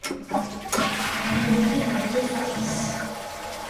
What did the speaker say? Elle est montée par Joseph Fargis.